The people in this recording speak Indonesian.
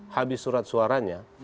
habis surat suaranya